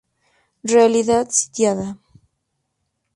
Realidad Sitiada.